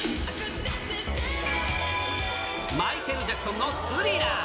マイケル・ジャクソンのスリラー。